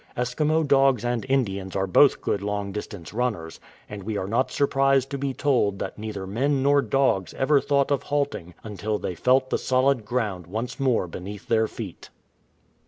Eskimo dogs and Indians are both good long distance runners, and we are not surprised to be told that neither men nor dogs ever thought of halt ing until they felt the solid ground once more beneath their feet.